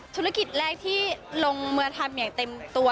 ธุรกิจแรกที่ลงมือทำอย่างเต็มตัว